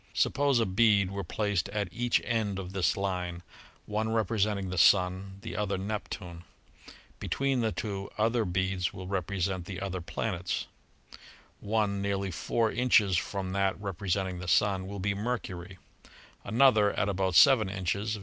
Suppose a bead were placed at each end of this line, one representing the Sun, the other Nep tune. Between the two, other beads will represent the other planets. One nearly four inches from that representing the Sun will be Mercury; another, at about seven inches.